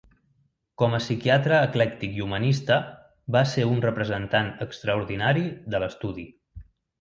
Com a psiquiatre eclèctic i humanista va ser un representant extraordinari de l'estudi.